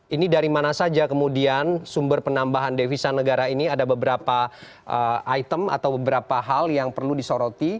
ini dari mana saja kemudian sumber penambahan devisa negara ini ada beberapa item atau beberapa hal yang perlu disoroti